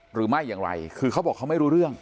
หรือไม่อย่างไรคือเขาบอกเขาไม่รู้เรื่อง